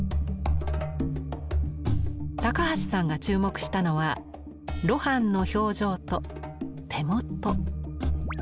高橋さんが注目したのは露伴の表情と手元。